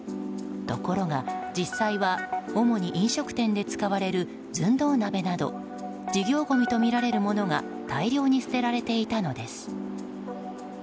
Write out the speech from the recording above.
ところが、実際は主に飲食店で使われる寸胴鍋など事業ごみとみられるものが大量に捨てられていたのです。